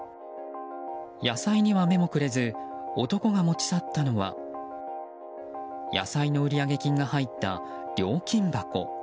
野菜には目もくれず男が持ち去ったのは野菜の売上金が入った料金箱。